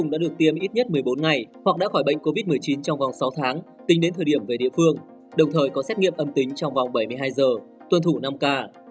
sau tháng tính đến thời điểm về địa phương đồng thời có xét nghiệm âm tính trong vòng bảy mươi hai giờ tuân thủ năm k